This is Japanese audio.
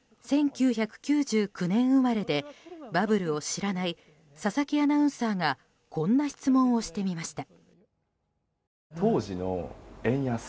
１９９９年生まれでバブルを知らない佐々木アナウンサーがこんな質問をしてみました。